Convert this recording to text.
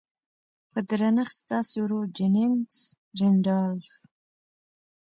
په درنښت ستاسې ورور جيننګز رينډالف.